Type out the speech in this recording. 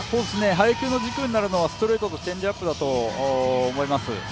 配球の軸になるのはストレートとチェンジアップだと思います。